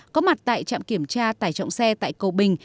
có mặt tại trạm kiểm tra tải trọng xe tại cầu bình